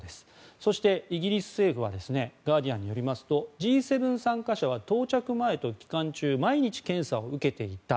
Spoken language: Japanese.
そして、イギリス政府はガーディアンによりますとＧ７参加者は到着前と期間中毎日、検査を受けていた。